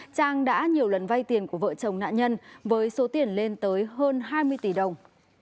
trang đã nhiều lần vay tiền của vợ chồng nạn nhân với số tiền lên tới hơn hai mươi tỷ đồng